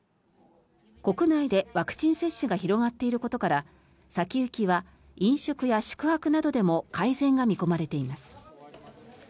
国内でワクチン接種が広がっていることから先行きは飲食や宿泊などでも改善が見込まれています。